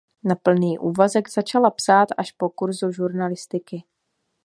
Na plný úvazek začala psát až po kurzu žurnalistiky.